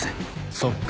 そっか。